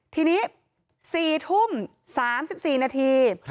ทีนี้๔ทุ่ม๓๔นาที